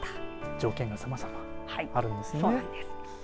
条件が、さまざまあるんですね。